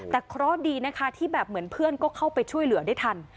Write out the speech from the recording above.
แต่เคราะห์ดีนะคะที่แบบเหมือนเพื่อนก็เข้าไปช่วยเหลือได้ทัน